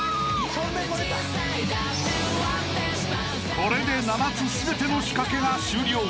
［これで７つ全ての仕掛けが終了］